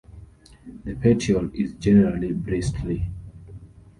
The petiole is generally bristly.